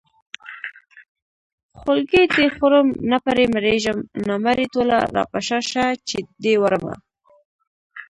خولګۍ دې خورم نه پرې مړېږم نامرې ټوله راپشا شه چې دې وړمه